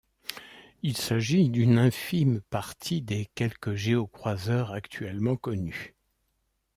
Il s'agit d'une infime partie des quelque géocroiseurs actuellement connus.